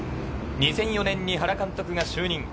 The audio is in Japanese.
２００４年に原監督が就任。